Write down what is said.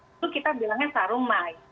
itu kita bilangnya sarung mic